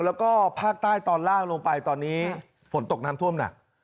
แล้วก็ภาคใต้ตอนล่างลงไปตอนนี้ฝนตกน้ำท่วมหนัก